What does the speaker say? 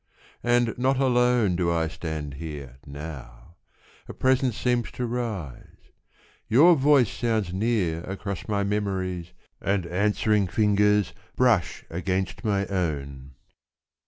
And not alone Do I stand here now ... a presence seems to rise: Your voice sounds near across my memories, And answering fingers brush against my own.